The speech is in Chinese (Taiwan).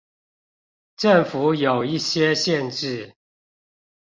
政府有一些限制